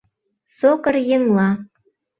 Сокыр еҥла